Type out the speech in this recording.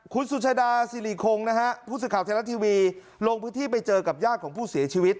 คุณสุชาดาสิริคงนะฮะผู้สื่อข่าวไทยรัฐทีวีลงพื้นที่ไปเจอกับญาติของผู้เสียชีวิต